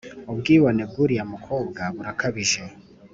ubwibone bw’ uriya mukobwa burakabije.